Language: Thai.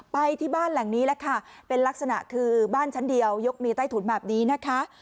ไปที่บ้านหลังนี้แหละค่ะเป็นลักษณะคือบ้านชั้นเดียวยกมือใต้ถุนแบบนี้นะคะ